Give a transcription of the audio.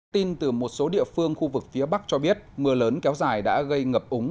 tin từ một số địa phương khu vực phía bắc cho biết mưa lớn kéo dài đã gây ngập úng